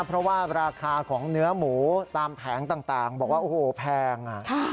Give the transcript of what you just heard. เพราะว่าราคาของเนื้อหมูตามแผงต่างบอกว่าโอ้โหแพง